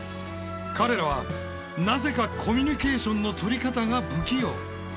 彼らはなぜかコミュニケーションのとり方が不器用。